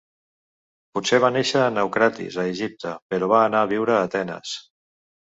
Potser va néixer a Naucratis a Egipte però va anar a viure a Atenes.